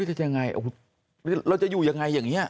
อุ๊ยจะอย่างไรเราจะอยู่อย่างไรอย่างนี้